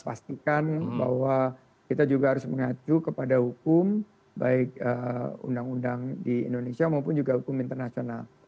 pastikan bahwa kita juga harus mengacu kepada hukum baik undang undang di indonesia maupun juga hukum internasional